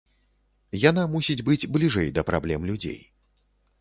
Яна мусіць быць бліжэй да праблем людзей.